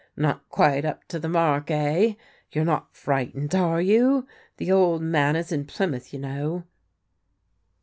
Not quite up to the mark, eh ? You are not frightened, are you? The old man is in Plymouth, you know."